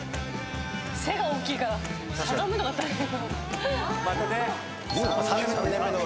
背が大きいからかがむのが大変。